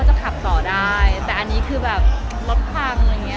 จะขับต่อได้แต่อันนี้คือแบบรถพังอะไรอย่างเงี้